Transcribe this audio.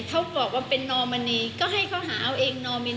เขาบอกว่าเป็นนอมณีก็ให้เขาหาเอาเองนอมิน